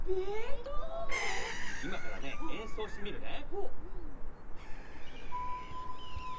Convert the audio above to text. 今からねえんそうしてみるね。